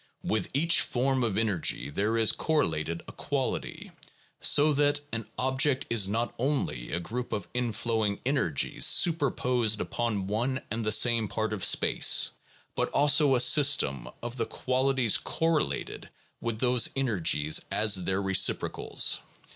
With each form of energy there is correlated a quality, so that an object is not only a group of inflowing energies superposed upon one and the same part of space, but also a system of the qualities correlated with those energies as their reciprocals.